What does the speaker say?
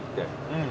うん。